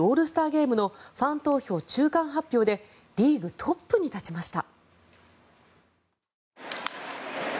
ゲームのファン投票中間発表でリーグトップに立ちました。